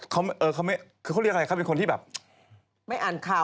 ใครอ่ะ